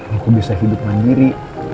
aku bisa hidup mandiri